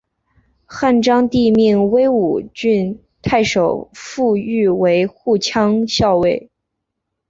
汉章帝命武威郡太守傅育为护羌校尉。